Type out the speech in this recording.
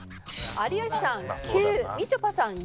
有吉さん９みちょぱさん